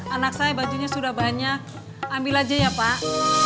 anak saya bajunya sudah banyak ambil aja ya pak